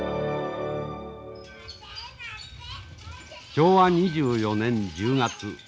昭和２４年１０月。